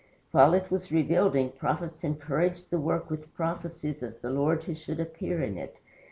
While it was rebuilding prophets encouraged the work with prophecies of the Lord who should appear in it.